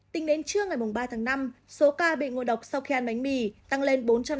tính đến trưa ngày ba tháng năm số ca bị ngộ độc sau khi ăn bánh mì tăng lên bốn trăm tám mươi một ca